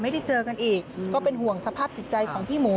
เจอกันอีกก็เป็นห่วงสภาพจิตใจของพี่หมู